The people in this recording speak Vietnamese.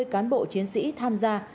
ba trăm năm mươi cán bộ chiến sĩ tham gia